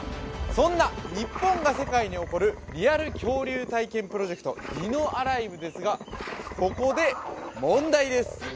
そんな日本が世界に誇るリアル恐竜体験プロジェクトディノアライブですがここで問題です